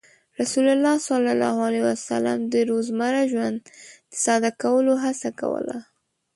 رسول الله صلى الله عليه وسلم د روزمره ژوند د ساده کولو هڅه کوله.